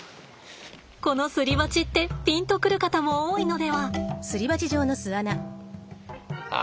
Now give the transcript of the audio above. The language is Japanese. このすり鉢ってピンと来る方も多いのでは？